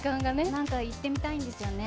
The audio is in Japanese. なんか、行ってみたいんですよね。